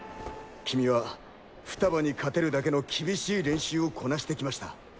君はふたばに勝てるだけの厳しい練習をこなしてきました。